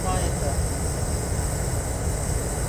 আরিশেমের ডিজাইনের মূল্যের যোগ্য নয় এটা।